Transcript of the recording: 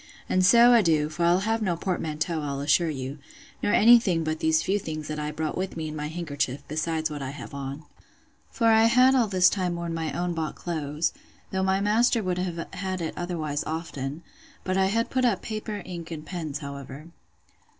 And so adieu; for I'll have no portmanteau, I'll assure you, nor any thing but these few things that I brought with me in my handkerchief, besides what I have on. For I had all this time worn my own bought clothes, though my master would have had it otherwise often: but I had put up paper, ink, and pens, however.